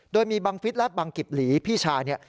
โดยมีบังฟิศและบังกิบหลีพี่ชายเนี่ย